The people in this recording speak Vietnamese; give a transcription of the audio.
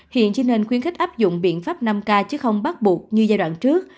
hiện chỉ nên khuyến khích áp dụng biện pháp năm k chứ không bắt buộc như giai đoạn trước